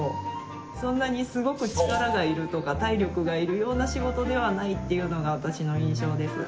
そんなにすごく力がいるとか体力がいるような仕事ではないっていうのが私の印象です。